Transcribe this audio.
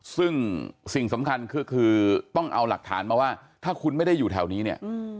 ซึ่งสิ่งสำคัญก็คือต้องเอาหลักฐานมาว่าถ้าคุณไม่ได้อยู่แถวนี้เนี่ย